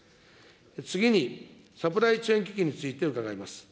次に、サプライチェーン危機について伺います。